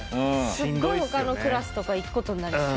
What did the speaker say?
すっごい他のクラスとか行くことになりそう。